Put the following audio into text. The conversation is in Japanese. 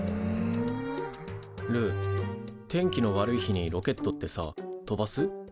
ルー天気の悪い日にロケットってさ飛ばす？